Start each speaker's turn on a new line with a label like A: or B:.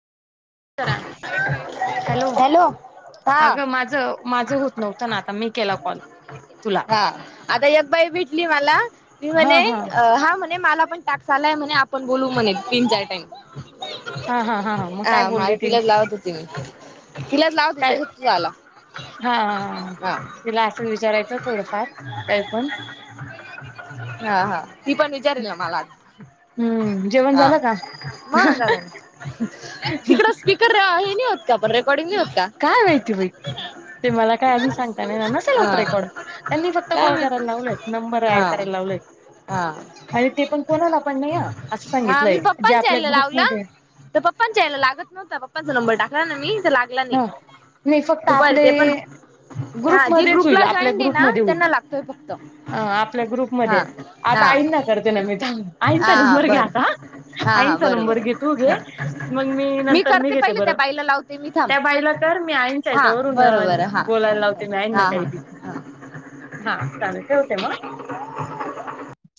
A: hello
B: हा
A: अगं माझ माझं होत नव्हतं ना आता मी केला कॉल तुला
B: हा आता आगबाई भेटली मला मी म्हणे हा म्हणे मला पण टाक आलाय म्हणे आपण बोलू म्हणे तीन चार टाईम
A: हा हा हा हां मग काय
B: माझ
A: बोलली ती
B: किल्त लावत होती मी किलात लावती
A: काय
B: त्याच्या क आला
A: हा
B: हा
A: तिला असं विचारायचं थोडंफार काय पण
B: हा हा ती पण विचारल आ म्हाला
A: हम्म जेवण
B: हा
A: झालं का
B: मा का तिकड स्पीकर आहे ना
A: काय माहिती बाई ते मला काय अजून सांगता नाही ना नसेल होत
B: हा
A: रेकॉर्ड त्यांनी फक्त
B: काय
A: कॉल करायला
B: माहिती
A: लावलेत नंबर ऍड
B: हा
A: करायला लावलेत
B: हा
A: आणि ते पण कोणाला आपण नाही या असं
B: हा मी
A: सांगितलंय जे
B: पप्पांच्या
A: आपल्या
B: आईला लावला
A: ग्रुपमध्येध्ये
B: तर पप्पांच्या यायला लागत नव्हता पप्पांचा नंबर टाकला ना मी तर लागला नाही
A: हा नाही फक्त
B: दुपारी
A: आपले
B: ते पण हा जे
A: ग्रुपमध्येच होईल
B: ग्रुपला
A: आपल्या
B: जॉईंड आहे ना
A: ग्रुपमध्ये होईल
B: त्यांना लागतोय फक्त
A: ह आपल्या
B: हा
A: ग्रुपमध्ये
B: हा
A: आता आईनना करते ना मी
B: हा
A: आईनचा
B: हा
A: नंबर घ्या
B: बर
A: आता
B: हा हा
A: आईंचा
B: बरं
A: नंबर घे
B: बरं
A: तू घे
B: हा
A: मग मी नंतर मी
B: करते
A: घेते
B: पहिले त्या
A: बरं
B: बाईला लावते मी थांब
A: त्या बाईला कर मी आईनच्या
B: हा
A: हच्यावरून
B: बरं बरं हा हा
A: बोलायला लावते मी आईन ना
B: हा
A: काही
B: हा हा
A: भिकणार हा चालेल ठवते मग